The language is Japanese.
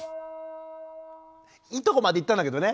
いいとこまでいったんだけどね。